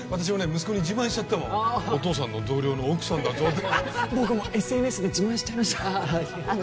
息子に自慢しちゃったもんお父さんの同僚の奥さんだぞって僕もＳＮＳで自慢しちゃいましたああ